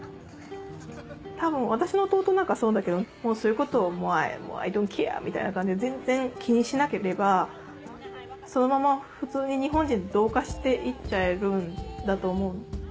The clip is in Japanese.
多分私の弟なんかそうだけどそういうことを「Ｉｄｏｎ’ｔｃａｒｅ」みたいな感じで全然気にしなければそのまま普通に日本人と同化していっちゃえるんだと思う。